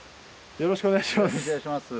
よろしくお願いします。